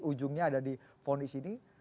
ujungnya ada di vonis ini